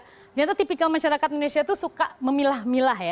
ternyata tipikal masyarakat indonesia itu suka memilah milah ya